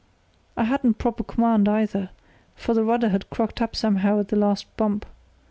I hadn't proper command either; for the rudder had crocked up somehow at the last bump.